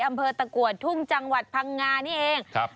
อำเภอตะกัวทุ่งจังหวัดพังงานี่เองครับ